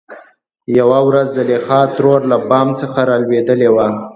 يوه ورځ زليخا ترور له بام څخه رالوېدلې وه .